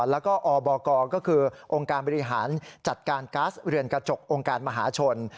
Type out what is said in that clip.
แล้วก็อบกก็คือองค์การบริหารจัดการก๊าซเรือนกระจกองค์การมหาชน